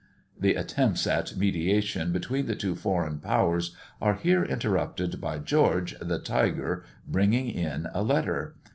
The attempts at mediation between the two foreign powers are here interrupted by George, the tiger, bringing in a letter.